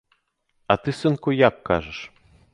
А ты, сынку, як кажаш?